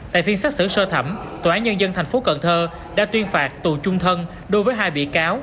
tại phiên xác xử sơ thẩm tòa án nhân dân tp cn đã tuyên phạt tù chung thân đối với hai bị cáo